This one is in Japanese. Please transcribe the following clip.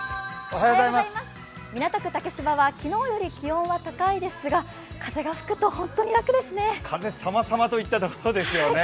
港区竹芝は、昨日より気温は低いんですが風が吹くと本当に楽ですね。